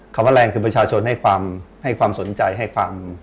คำว่าแรงคือประชาชนให้ความให้ความสนใจให้ความ